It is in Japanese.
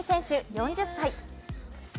４０歳。